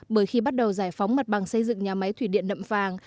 bởi khi bắt đầu giải phóng mặt bằng xây dựng nhà máy thủy điện nậm phàng